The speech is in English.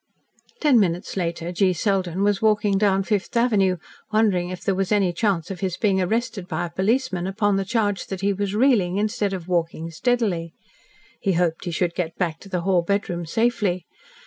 ..... Ten minutes later G. Selden was walking down Fifth Avenue, wondering if there was any chance of his being arrested by a policeman upon the charge that he was reeling, instead of walking steadily. He hoped he should get back to the hall bedroom safely.